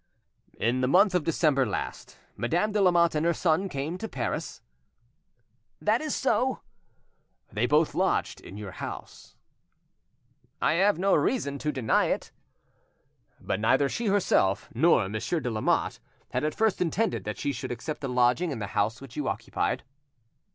"In the month of December last, Madame de Lamotte and her son came to Paris? "That is so." "They both lodged in your house?" "I have no reason to deny it." "But neither she herself, nor Monsieur de Lamotte, had at first intended that she should accept a lodging in the house which you occupied."